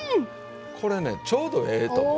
これねちょうどええと思います。